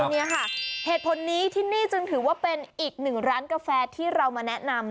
นี่ค่ะเหตุผลนี้ที่นี่จึงถือว่าเป็นอีกหนึ่งร้านกาแฟที่เรามาแนะนำ